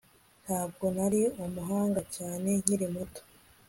Ntabwo nari umuhanga cyane nkiri muto